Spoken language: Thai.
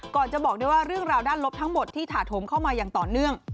จะบอกได้ว่าเรื่องราวด้านลบทั้งหมดที่ถาโถมเข้ามาอย่างต่อเนื่อง